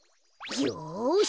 よし！